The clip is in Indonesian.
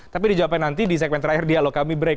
tapi dijawabkan nanti di segmen terakhir dialog kami break